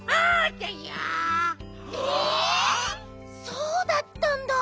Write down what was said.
そうだったんだ！